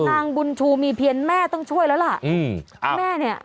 นางบุญชูมีเพียนแม่ต้องช่วยแล้วล่ะ